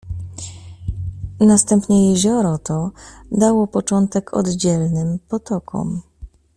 "Następnie jezioro to dało początek oddzielnym potokom."